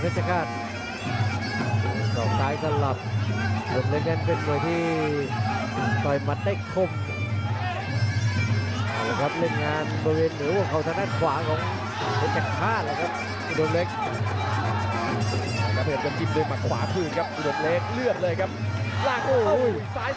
โอ้ยซ้ายสลักขวาครับมันกันตอดไปเรื่อยครับ